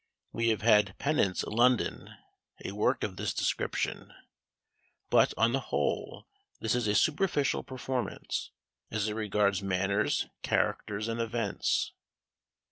We have had Pennant's "London," a work of this description; but, on the whole, this is a superficial performance, as it regards manners, characters, and events.